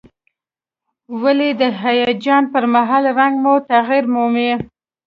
ولې د هیجان پر مهال رنګ مو تغییر مومي؟